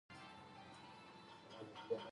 نورستان د افغان کورنیو د دودونو مهم عنصر دی.